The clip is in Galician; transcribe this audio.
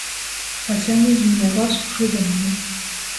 Facemos un negocio redondo.